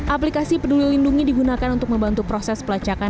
aplikasi peduli lindungi digunakan untuk membantu proses pelacakan